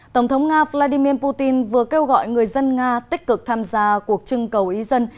tổng thống nga vladimir putin vừa kêu gọi người dân nga tích cực tham gia cuộc trưng cầu ý dân